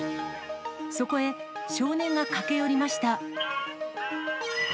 そこへ少年が駆け寄りました。